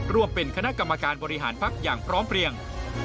ร่วมเป็นคณะกรรมการบริหารพักอย่างพร้อมเพลียง